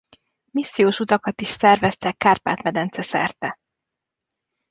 Missziós utakat is szerveztek Kárpát-medence-szerte.